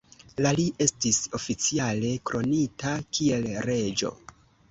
La li estis oficiale kronita kiel reĝo.